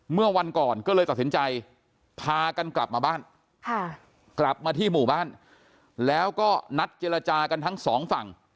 เมื่อวันก่อนก็เลยตัดสินใจพากันกลับมาบ้านกลับมาที่หมู่บ้านแล้วก็นัดเจรจากันทั้งสองฝั่ง